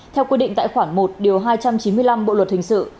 theo quy định tại khoản một điều hai trăm chín mươi năm bộ luật hình sự